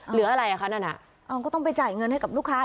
หรืออะไรอ่ะคะนั่นอ่ะเอาก็ต้องไปจ่ายเงินให้กับลูกค้า